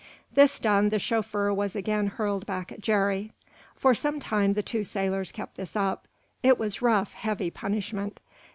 This done, the chauffeur was again hurled back at Jerry. For some time the two sailors kept this up. It was rough, heavy punishment.